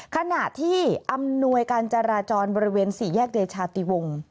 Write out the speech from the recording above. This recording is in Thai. ขณะที่อำนวยการจราจรบริเวณสี่แยกเดชาติวงศ์